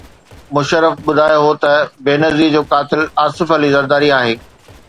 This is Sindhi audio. مشرف ٻڌايو هو ته بينظير جو قاتل آصف علي زرداري آهي.